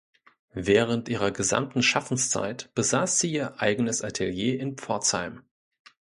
Während ihrer gesamten Schaffenszeit besaß sie ihr eigenes Atelier in Pforzheim.